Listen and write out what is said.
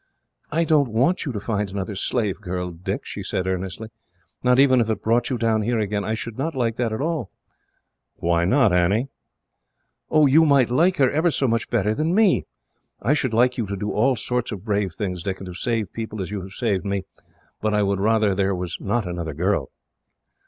"I don't want you to find another slave girl, Dick," she said earnestly, "not even if it brought you down here again. I should not like that at all." "Why not, Annie?" "Oh, you might like her ever so much better than me. I should like you to do all sorts of brave things, Dick, and to save people as you have saved me, but I would rather there was not another girl."